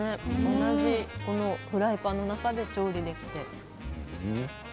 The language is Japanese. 同じフライパンの中で調理して。